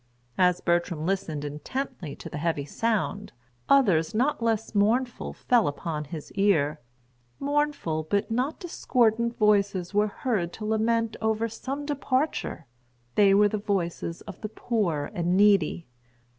As Bertram listened intently to the heavy sound, others not less mournful fell upon his ear; mournful but not discordant voices were heard to lament over some departure; they were the voices of the poor and needy.